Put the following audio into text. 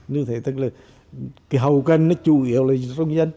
như thế tức là cái hậu cần nó chủ yếu là trong dân